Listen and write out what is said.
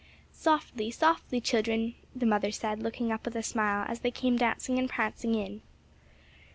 "Softly, softly, children!" the mother said looking up with a smile as they came dancing and prancing in.